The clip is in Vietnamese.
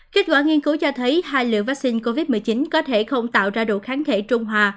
kết quả nghiên cứu cho thấy hai liều vaccine covid một mươi chín có thể không tạo ra độ kháng thể trung hòa